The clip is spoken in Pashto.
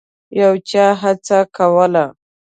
یو چا هڅه کوله.